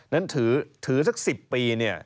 นั้นถือสัก๑๐ปี